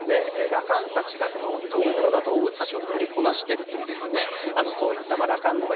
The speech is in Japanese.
羅漢たちがこのどう猛な動物たちを乗りこなしてるというそういった羅漢の神通力